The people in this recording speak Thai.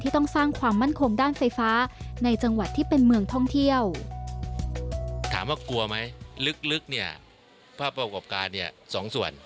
ถามว่ากลัวไหมลึกเนี่ยภาพประกอบการสองส่วน